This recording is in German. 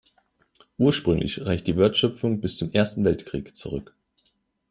Ursprünglich reicht die Wortschöpfung bis zum Ersten Weltkrieg zurück.